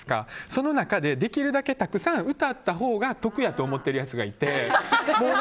その中で、できるだけたくさん歌ったほうが得やと思ってるやつがいて。